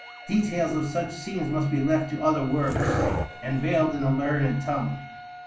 Details of such scenes must be left to other works, and veiled in a learned tongue.